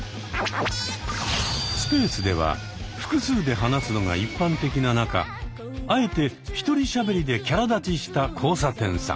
スペースでは複数で話すのが一般的な中あえて１人しゃべりでキャラ立ちした交差点さん。